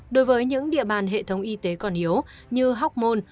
đối với những địa bàn hệ thống y tế còn hiếu như hocmon